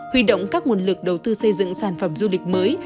huy động các nguồn lực đầu tư xây dựng sản phẩm du lịch mới